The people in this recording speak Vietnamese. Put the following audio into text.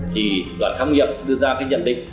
thì đoàn khám nghiệp đưa ra cái nhận định